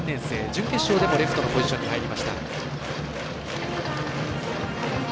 準決勝でもレフトのポジションに入りました。